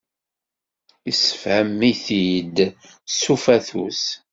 Yessefhem-it-id s ufatus.